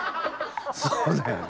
そうだよね。